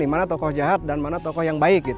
mana tokoh jahat dan mana tokoh yang baik